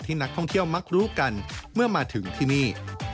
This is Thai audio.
นักท่องเที่ยวมักรู้กันเมื่อมาถึงที่นี่